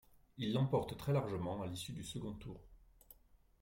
Il l'emporte très largement à l'issue du second tour.